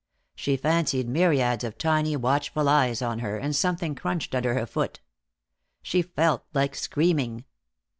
She fancied myriads of tiny, watchful eyes on her, and something crunched under her foot. She felt like screaming.